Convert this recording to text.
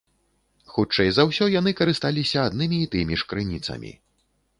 Хутчэй за ўсё, яны карысталіся аднымі і тымі ж крыніцамі.